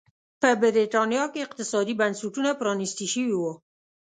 په برېټانیا کې اقتصادي بنسټونه پرانيستي شوي وو.